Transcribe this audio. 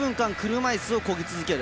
車いすをこぎ続ける。